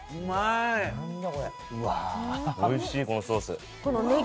おいしいこのソース。